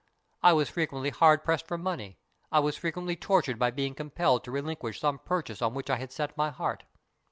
I was frequently hard pressed for money. I was frequently tortured by being compelled to relinquish some purchase on which I had set my heart.